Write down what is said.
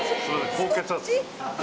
高血圧。